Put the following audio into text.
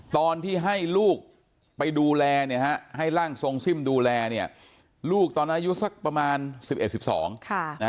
ตอนที่ให้ลูกไปดูแลเนี่ยฮะให้ร่างทรงซิ่มดูแลเนี่ยลูกตอนอายุสักประมาณ๑๑๑๒